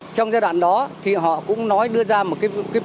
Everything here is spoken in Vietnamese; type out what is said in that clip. trong giai đoạn đó thì họ cũng nói đưa ra nhà ở nơi thành phố đã chỉ định